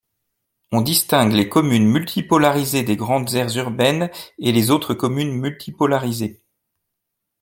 On distingue les communes multipolarisées des grandes aires urbaines et les autres communes multipolarisées.